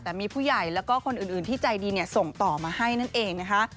แต่มีผู้ใหญ่แล้วก็คนอื่นที่ใจดีส่งต่อมาให้นั่นเองนะคะ